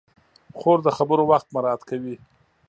خور د خبرو وخت مراعت کوي.